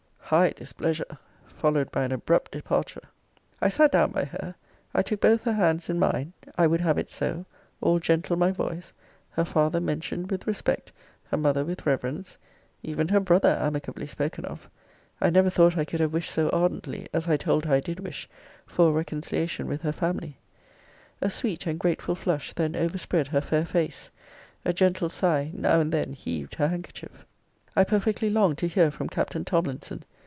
High displeasure! followed by an abrupt departure. I sat down by her. I took both her hands in mine. I would have it so. All gentle my voice. Her father mentioned with respect. Her mother with reverence. Even her brother amicably spoken of. I never thought I could have wished so ardently, as I told her I did wish, for a reconciliation with her family. A sweet and grateful flush then overspread her fair face; a gentle sigh now and then heaved her handkerchief. I perfectly longed to hear from Captain Tomlinson.